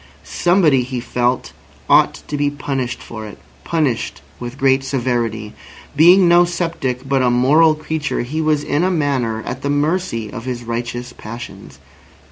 Somebody, he felt, ought to be punished for it—punished with great severity. Being no sceptic, but a moral creature, he was in a manner at the mercy of his righteous passions.